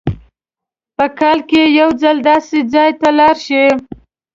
په کال کې یو ځل داسې ځای ته لاړ شئ.